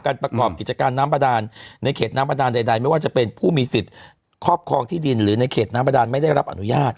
ประกอบกิจการน้ำบาดานในเขตน้ำประดานใดไม่ว่าจะเป็นผู้มีสิทธิ์ครอบครองที่ดินหรือในเขตน้ำประดานไม่ได้รับอนุญาต